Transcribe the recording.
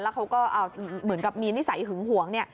แล้วเขาเรียกมีนิสัยหึงหวง